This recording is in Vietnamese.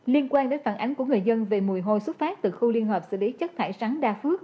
liên quan đến phản ánh của người dân về mùi hôi xuất phát từ khu liên hợp xử lý chất thải sắn đa phước